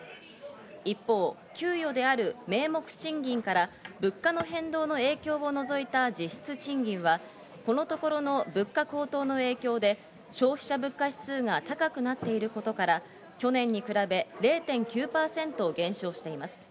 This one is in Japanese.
一方、給与である名目賃金から物価の変動の影響を除いた実質賃金は、このところの物価高騰の影響で消費者物価指数が高くなっていることから、去年に比べ０．９％減少しています。